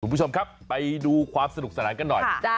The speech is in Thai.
คุณผู้ชมครับไปดูความสนุกสนานกันหน่อย